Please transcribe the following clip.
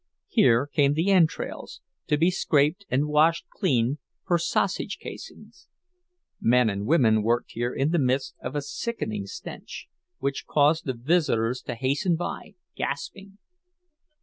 Here came the entrails, to be scraped and washed clean for sausage casings; men and women worked here in the midst of a sickening stench, which caused the visitors to hasten by, gasping.